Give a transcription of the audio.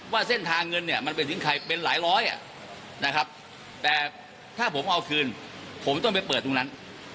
ว่าเส้นทางเงินเป็นหลายร้อยแต่ถ้าผมเอาคืนผมต้องไปเปิดตรงนั้น